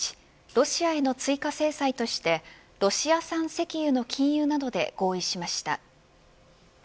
ロシアへの追加制裁としてロシア産石油の禁輸などで合意しました。